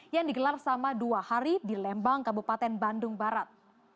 yang digelar selama dua hari di lembang kabupaten bandung barat